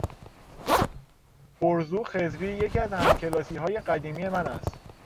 برزو خضری یکی از همکلاسیهای قدیمی من است.